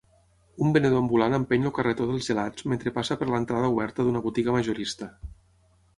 Un venedor ambulant empeny el carretó dels gelats mentre passa per l'entrada oberta d'una botiga majorista.